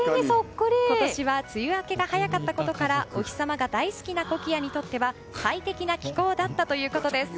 今年は梅雨明けが早かったことからお日様が大好きなコキアにとっては快適な気候だったということです。